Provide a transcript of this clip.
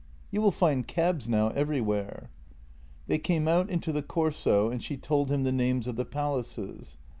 "You will find cabs now everywhere." They came out into the Corso, and she told him the names of the palaces.